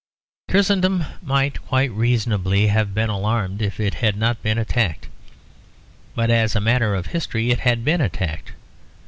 Christendom might quite reasonably have been alarmed if it had not been attacked. But as a matter of history it had been attacked.